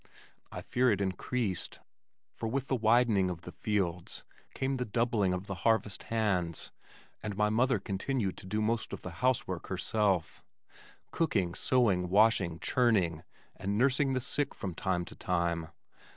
I fear it increased, for with the widening of the fields came the doubling of the harvest hands, and my mother continued to do most of the housework herself cooking, sewing, washing, churning, and nursing the sick from time to time.